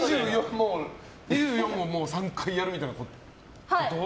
２４を３回やるみたいなこと？